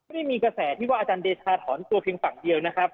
ไม่มีกระแสที่ว่าอาจารย์เดชาถอนตัวเพียงฝั่งเดียวนะครับ